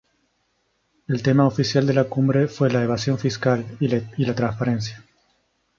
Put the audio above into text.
El tema oficial de la cumbre fue la evasión fiscal y la transparencia.